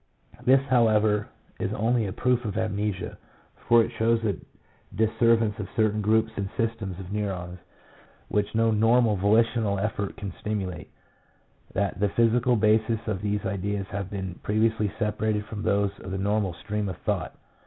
This, however, is only a proof of amnesia, for it shows a disseverance of certain groups and systems of MEMORY. yi neurons, which no normal volitional effort can stimu late : that the physical bases of these ideas have been previously separated from those of the normal stream of thought.